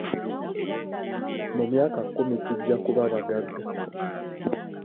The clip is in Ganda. Mu myaka kkumi tujja kuba bagagga.